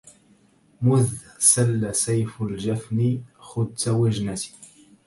مذ سل سيف الجفن خدت وجنتي